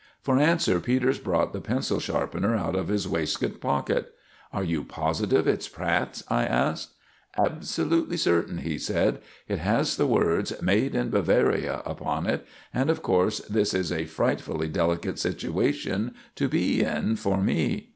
For answer Peters brought the pencil sharpener out of his waistcoat pocket. "Are you positive it's Pratt's?" I asked. "Absolutely certain," he said. "It has the words 'Made in Bavaria' upon it; and, of course, this is a frightfully delicate situation to be in for me.